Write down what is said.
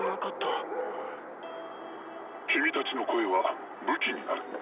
キミたちの声は武器になる。